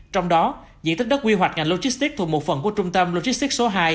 trong đó diện tích đất quy hoạch ngành logistics thuộc một phần của trung tâm logistics số hai